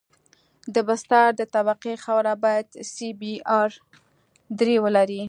د بستر د طبقې خاوره باید سی بي ار درې ولري